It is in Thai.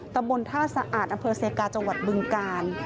ตำบลท่าสะอาดอำเภอเซกาจังหวัดบึงกาล